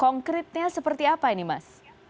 konkretnya seperti apa ini mas